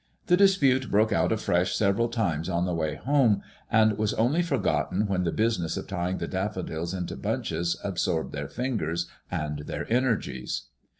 The dispute broke out afresh several times on the way home, and was only for gotten when the business of tying the daffodils into bunches ab sorbed their fingers and their energies.